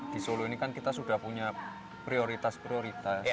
di solo ini kan kita sudah punya prioritas prioritas